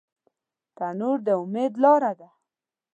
تنور د امید لاره ده